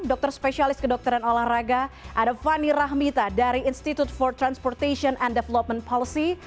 dokter spesialis kedokteran olahraga ada fani rahmita dari institute for transportation and development policy